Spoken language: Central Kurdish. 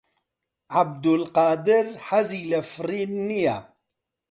عەبدولقادر حەزی لە فڕین نییە.